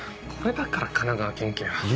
これだから神奈川県警は。